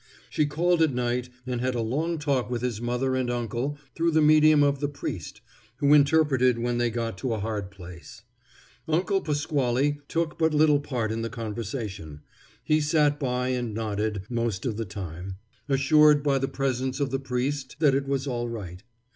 She called at night and had a long talk with his mother and uncle through the medium of the priest, who interpreted when they got to a hard place. Uncle Pasquale took but little part in the conversation. He sat by and nodded most of the time, assured by the presence of the priest that it was all right.